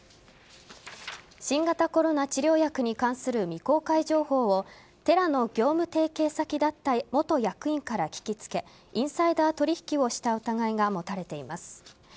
新型コロナ治療薬に関する未公開情報をテラの業務提携先だった元役員から聞きつけインサイダー取引をした疑いが持たれています。